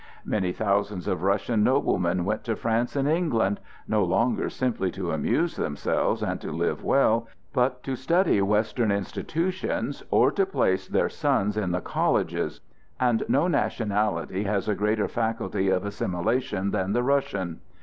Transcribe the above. Many thousands of Russian noblemen went to France and England, no longer simply to amuse themselves and to live well, but to study western institutions or to place their sons in the colleges; and no nationality has a greater faculty of assimilation than the Russian.